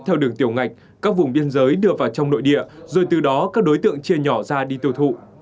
theo đường tiểu ngạch các vùng biên giới đưa vào trong nội địa rồi từ đó các đối tượng chia nhỏ ra đi tiêu thụ